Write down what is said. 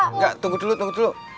enggak tunggu dulu tunggu dulu